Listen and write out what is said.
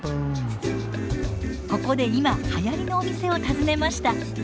ここで今はやりのお店を訪ねました。